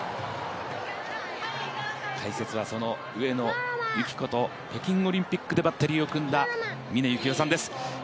解説は、その上野由岐子と北京オリンピックでバッテリーを組んだ峰幸代さんです